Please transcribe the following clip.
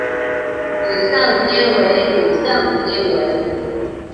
以上皆为以上皆为